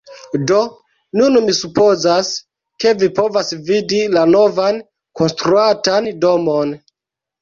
Do, nun mi supozas, ke vi povas vidi la novan, konstruatan domon